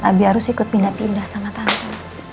abi harus ikut pindah pindah sama tante